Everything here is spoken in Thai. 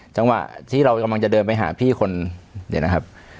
จังหวะที่เรากำลังจะเดินไปหาพี่คนเดี๋ยวนะครับ